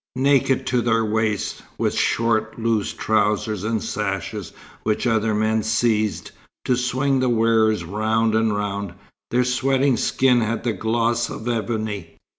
Naked to their waists, with short, loose trousers, and sashes which other men seized, to swing the wearers round and round, their sweating skin had the gloss of ebony.